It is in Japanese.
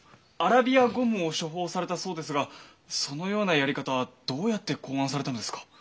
アラビアゴムを処方されたそうですがそのようなやり方どうやって考案されたのですか？